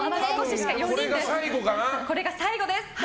これが最後です。